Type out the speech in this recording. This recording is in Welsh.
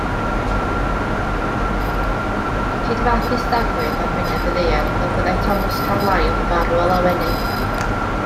Ceid fath ddistawrwydd ar wyneb y ddaear fel byddai Thomas Carlyle farw o lawenydd.